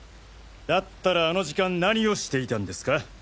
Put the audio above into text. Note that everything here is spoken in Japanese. だったらあの時間何をしていたんですか？